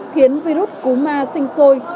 khiến virus cúm a sinh sôi